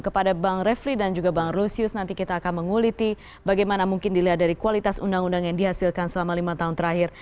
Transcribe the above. kepada bang refli dan juga bang lusius nanti kita akan menguliti bagaimana mungkin dilihat dari kualitas undang undang yang dihasilkan selama lima tahun terakhir